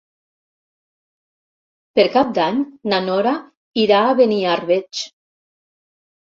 Per Cap d'Any na Nora irà a Beniarbeig.